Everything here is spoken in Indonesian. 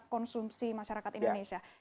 konsumsi masyarakat indonesia